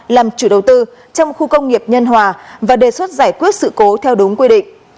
làm chủ đầu tư trong khu công nghiệp nhân hòa và đề xuất giải quyết sự cố theo đúng quy định